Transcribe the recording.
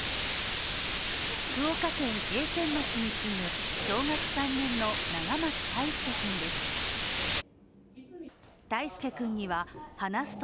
福岡県桂川町に住む小学３年の永松泰丞君です。